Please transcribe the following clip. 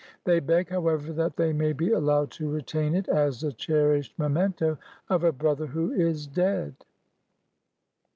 They beg, however, that they may be allowed to retain it as a cherished memento of a brother who is dead."